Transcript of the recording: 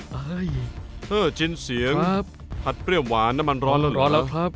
เฮ้ยจินเสียงผัดเปรี้ยวหวานน้ำมันร้อนร้อนแล้วครับ